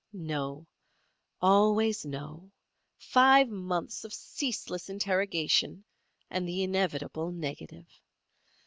No. Always no. Five months of ceaseless interrogation and the inevitable negative.